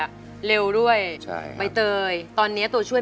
กลับไปก่อนที่สุดท้าย